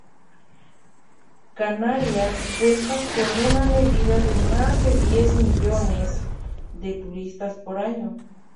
Canarias cuenta con una media de más de diez millones de turistas por año.